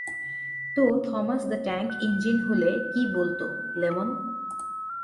তো, Thomas the tank engine হলে কী বলতো, লেমন?